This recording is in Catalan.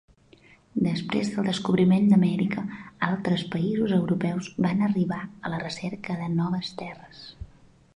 Després del descobriment d'Amèrica, altres països europeus van arribar a la recerca de noves terres.